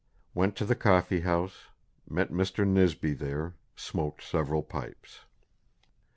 Went to the Coffee house. Met Mr. Nisby there. Smoaked several Pipes."